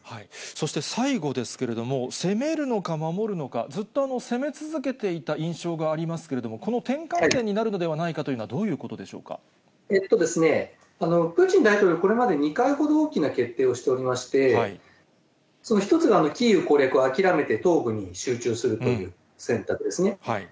そして、最後ですけれども、攻めるのか、守るのか、ずっと攻め続けていた印象がありますけれども、この転換点になるのではないかというのはどういうことでしプーチン大統領、これまで２回ほど大きな決定をしておりまして、その一つがキーウ攻略を諦めて東部に集中するという選択ですね。